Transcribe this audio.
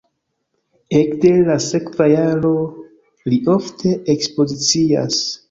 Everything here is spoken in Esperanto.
Ekde la sekva jaro li ofte ekspozicias.